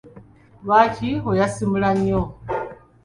Lwaki oyasimula nnyo?